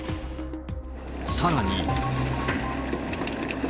さらに。